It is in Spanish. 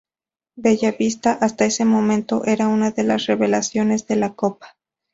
Bella vista hasta ese momento era una de las revelaciones de la copa.